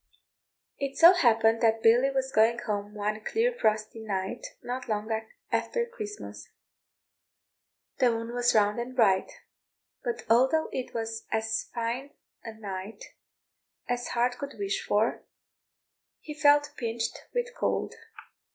It so happened that Billy was going home one clear frosty night not long after Christmas; the moon was round and bright; but although it was as fine a night as heart could wish for, he felt pinched with cold.